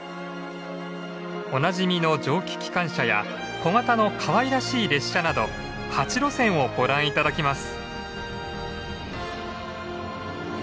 おなじみの蒸気機関車や小型のかわいらしい列車など８路線をご覧頂きます。